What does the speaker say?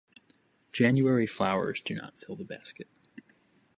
January flowers do not fill the basket.